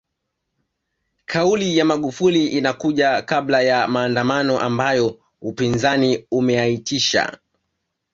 Kauli ya Magufuli inakuja kabla ya maandamano ambayo upinzani umeyaitisha